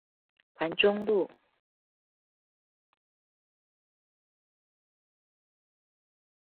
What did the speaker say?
環中路